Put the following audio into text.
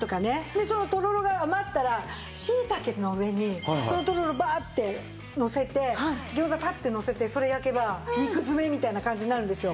でそのとろろが余ったらシイタケの上にそのとろろバーッてのせてギョーザパッてのせてそれ焼けば肉詰めみたいな感じになるんですよ。